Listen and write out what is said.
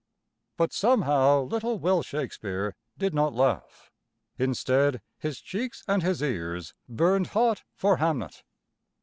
But somehow, little Will Shakespeare did not laugh. Instead his cheeks and his ears burned hot for Hamnet.